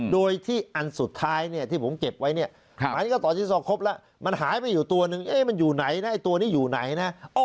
โดยที่อันสุดท้ายเนี่ยที่ผมเก็บไว้เนี่ยหมายถึงก็ต่อจิ๊กซอครบแล้วมันหายไปอยู่ตัวนึงมันอยู่ไหนนะไอ้ตัวนี้อยู่ไหนนะ